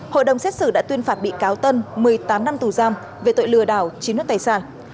hội đồng xét xử đã tuyên phạt bị cáo tân một mươi tám năm tù giam về tội lừa đảo chiếm đất tài sản